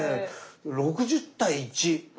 ６０対１。